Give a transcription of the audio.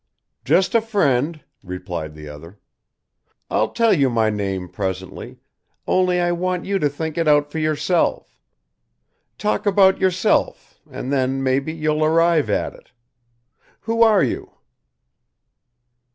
"Just a friend," replied the other, "I'll tell you my name presently, only I want you to think it out for yourself. Talk about yourself and then, maybe, you'll arrive at it. Who are you?"